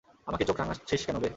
আমাকে চোখ রাঙাচ্ছিস কেন, বে?